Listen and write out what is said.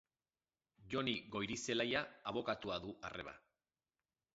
Jone Goirizelaia abokatua du arreba.